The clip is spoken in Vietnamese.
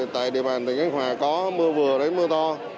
tại địa bàn tỉnh khánh hòa có mưa vừa đến mưa to